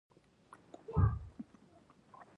بکټریاوې د وچوالي په مقابل کې سپور جوړوي.